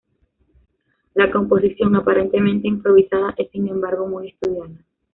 La composición, aparentemente improvisada, es sin embargo muy estudiada.